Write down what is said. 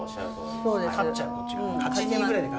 勝っちゃうこっちが。